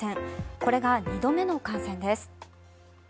これが２度目の感染です。